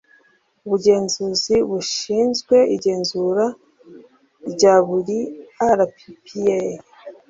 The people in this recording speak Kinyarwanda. Ubugenzuzi bushinzwe igenzura rya buri RPPA